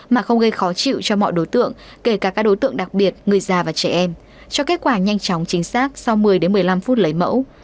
mà không gây khó chịu cho mọi đối tượng kể cả các đối tượng đặc biệt người già và trẻ em cho kết quả nhanh chóng chính xác sau một mươi một mươi năm phút lấy mẫu